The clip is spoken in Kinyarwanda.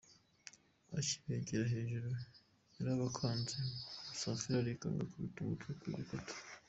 Akibagera hejuru yarabakanze, Musafiri arikanga akubita umutwe ku gikuta.